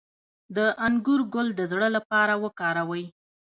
د انګور ګل د زړه لپاره وکاروئ